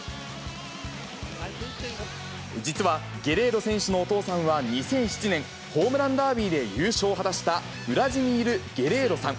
実はゲレーロ選手のお父さんは２００７年、ホームランダービーで優勝を果たしたウラジミール・ゲレーロさん。